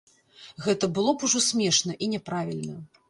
Гэта было б ужо смешна і няправільна.